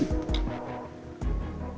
rina dibawa kemana sih